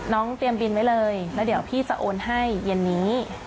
เตรียมบินไว้เลยแล้วเดี๋ยวพี่จะโอนให้เย็นนี้